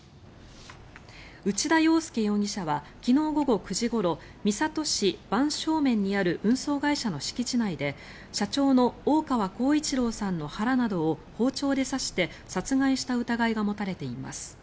内田洋輔容疑者は昨日午後９時ごろ三郷市番匠免にある運送会社の敷地内で社長の大川幸一郎さんの腹などを包丁で刺して殺害した疑いが持たれています。